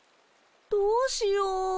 どうしよう。